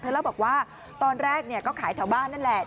เล่าบอกว่าตอนแรกก็ขายแถวบ้านนั่นแหละ